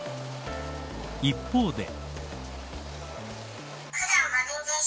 一方で。